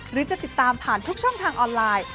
หรือจะติดตามผ่านทุกช่องทางออนไลน์